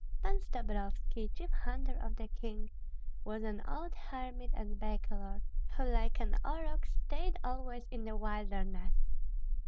Pan Stabrovski, chief hunter of the king, was an old hermit and bachelor, who like an aurochs stayed always in the wilderness.